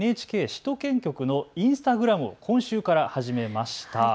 ＮＨＫ首都圏局のインスタグラムを今週から始めました。